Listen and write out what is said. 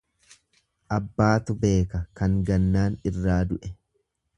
Abbaatu beeka kan gannaan irraa du'e.